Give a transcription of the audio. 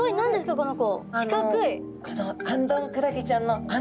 この子！